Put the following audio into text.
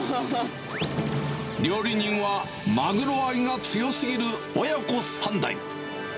料理人は、マグロ愛が強すぎる親子３代。